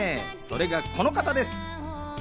それがこの方です。